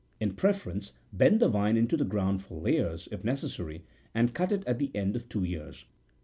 In preference, bend the vine into the ground for layers, if neces sary, and cut it at the end of two years.